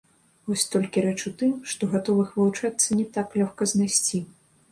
Вось толькі рэч у тым, што гатовых вылучацца не так лёгка знайсці.